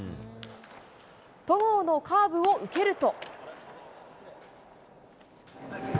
戸郷のカーブを受けると。